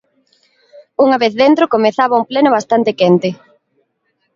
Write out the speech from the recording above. Unha vez dentro comezaba un pleno bastante quente.